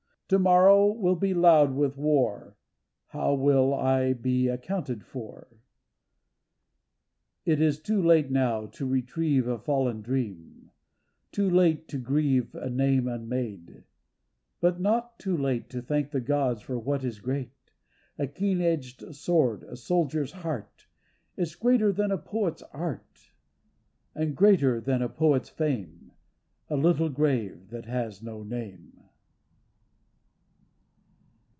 To morrow will be loud with war, How will I be accounted for? It is too late now to retrieve A fallen dream, too late to grieve A name unmade, but not too late To thank the gods for what is great; A keen edged sword, a soldier's heart. Is greater than a poet's art. And greater than a poet's fame A little grave that has no name.